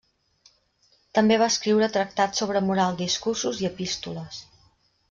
També va escriure tractats sobre moral, discursos i epístoles.